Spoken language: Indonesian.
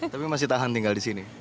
tapi masih tahan tinggal disini